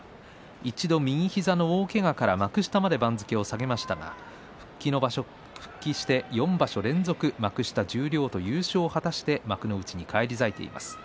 一度、右膝の大けがから幕下まで番付を下げましたが復帰して４場所連続して幕下十両の優勝をして幕内に返り咲いています。